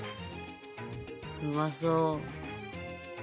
うまそう。